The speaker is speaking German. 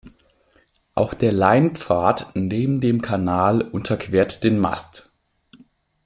Auch der Leinpfad neben dem Kanal unterquert den Mast.